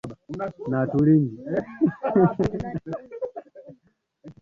kwenye safari inaweza kuongeza zaidi hasa ikiwa